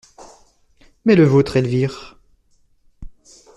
Mais le vôtre, Elvire?